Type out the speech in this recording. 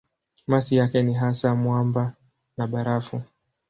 Masi yake ni hasa mwamba na barafu.